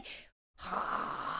はあ。